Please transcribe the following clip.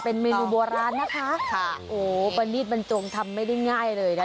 เป็นเมนูโบราณนะคะค่ะโอ้ประนีตบรรจงทำไม่ได้ง่ายเลยนะคะ